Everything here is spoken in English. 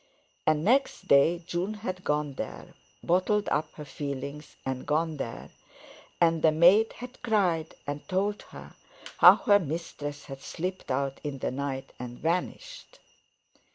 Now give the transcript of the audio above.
And next day June had gone there—bottled up her feelings and gone there, and the maid had cried and told her how her mistress had slipped out in the night and vanished.